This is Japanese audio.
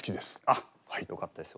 あっよかったです。